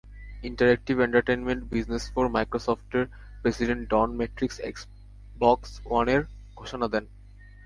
Interactive entertainment business for মাইক্রোসফটের president Don Mattrick Xbox ওয়ানের ঘোষণা দেন।